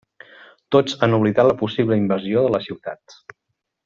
Tots han oblidat la possible invasió de la ciutat.